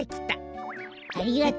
ありがとう！